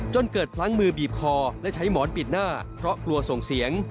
จนเกิดพลั้งมือบีบคอและใช้หมอนปิดหน้าเพราะกลัวส่งเสียง